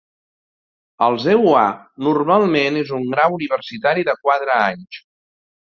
Als EUA, normalment és un grau universitari de quatre anys.